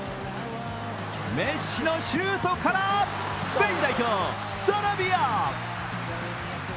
メッシのシュートからスペイン代表、サラビア。